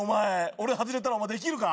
俺外れたらお前できるか？